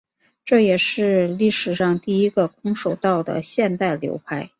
这也是历史上第一个空手道的现代流派。